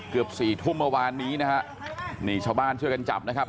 เกือบสี่ทุ่มเมื่อวานนี้นะฮะนี่ชาวบ้านช่วยกันจับนะครับ